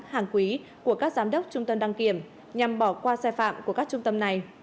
hàng quý của các giám đốc trung tâm đăng kiểm nhằm bỏ qua xe phạm của các trung tâm này